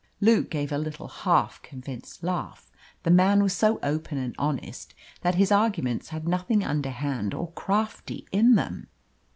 Luke gave a little half convinced laugh. The man was so open and honest that his arguments had nothing underhand or crafty in them.